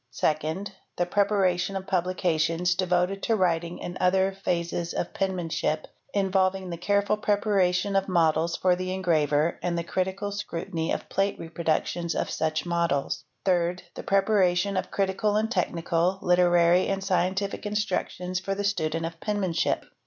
Second. The preparation of publications devoted to writing and other { phases of penmanship, involving the careful preparation of models for the engraver and the critical scrutiny of plate reproductions of such models. — Third. The preparation of critical and technical, literary and scientific — instructions for the student of penmanship.